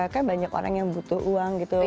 kayaknya banyak orang yang butuh uang gitu